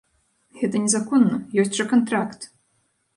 Гэта незаконна, ёсць жа кантракт.